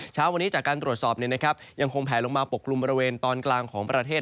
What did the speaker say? เช้าวันนี้จากการตรวจสอบยังคงแผลลงมาปกกลุ่มบริเวณตอนกลางของประเทศ